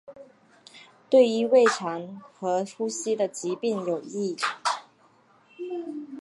对于胃肠和呼吸的疾病有益。